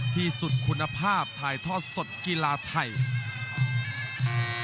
ที่สุดคุณภาพถ่ายทอดสดกีฬาไทย